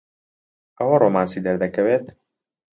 ئەوە ڕۆمانسی دەردەکەوێت؟